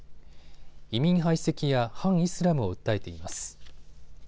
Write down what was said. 移民排斥や反イスラムを訴えています。